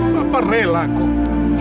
bapak rela kok